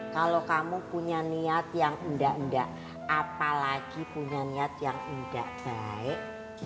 kalau kamu punya niat yang enggak enggak apalagi punya niat yang enggak baik